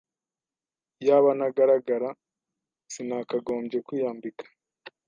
Iyaba ntagaragara sinakagombye kwiyambika.